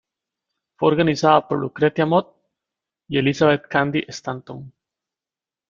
Fue organizada por Lucretia Mott y Elizabeth Cady Stanton.